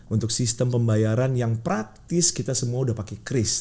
untuk sistem pembayaran yang praktis kita semua sudah pakai kris